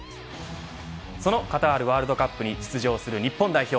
そのカタールワールドカップに出場する日本代表。